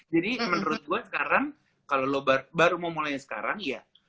jadi menurut gue sekarang kalau lo baru mau mulainya sekarang ya